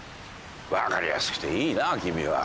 分かりやすくていいな君は。